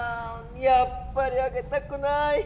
やっぱりあげたくない！